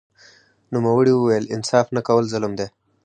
نوموړي وویل انصاف نه کول ظلم دی